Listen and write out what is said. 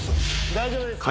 大丈夫ですか？